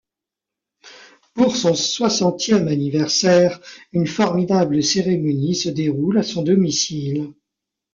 Pour son soixantième anniversaire, une formidable cérémonie se déroule à son domicile.